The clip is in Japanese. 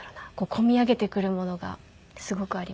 こみ上げてくるものがすごくありました。